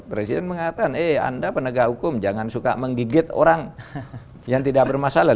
presiden mengatakan eh anda penegak hukum jangan suka menggigit orang yang tidak bermasalah